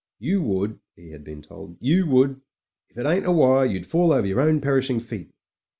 "You would," he had been told — "you would. If it ain't a wire, you'd fall over yer own perishing feet."